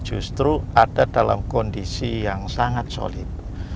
justru ada dalam kondisi yang sangat solid